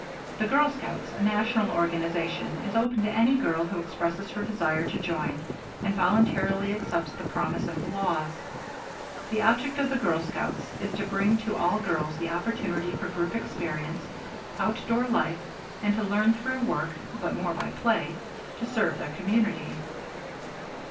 The Girl Scouts, a national organization, is open to any girl who expresses her desire to join, and voluntarily accepts the promise and the laws. The object of the Girl Scouts is to bring to all girls the opportunity for group experience, outdoor life, and to learn through work, but more by play, to serve their community.